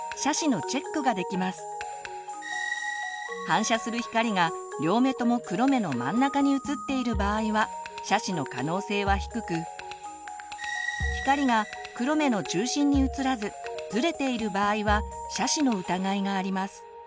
反射する光が両目とも黒目の真ん中にうつっている場合は斜視の可能性は低く光が黒目の中心にうつらずずれている場合は斜視の疑いがあります。